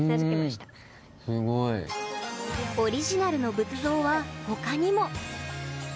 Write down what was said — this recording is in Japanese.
すごい。オリジナルの仏像は他にも。